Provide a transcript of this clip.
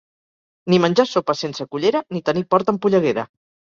Ni menjar sopes sense cullera, ni tenir porta amb polleguera.